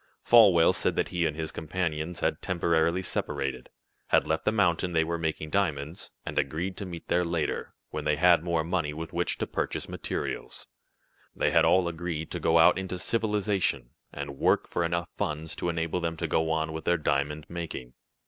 Folwell said that he and his companions had temporarily separated, had left the mountain where they made diamonds, and agreed to meet there later when they had more money with which to purchase materials. They had all agreed to go out into civilization, and work for enough funds to enable them to go on with their diamond making.